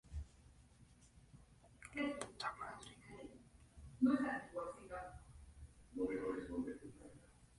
Se encuentra en Argelia, Burkina Faso, Camerún, Marruecos, Mauritania, Namibia y Senegal.